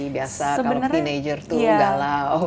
biasa kalau teenager tuh galau